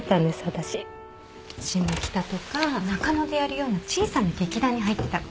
下北とか中野でやるような小さな劇団に入ってたの。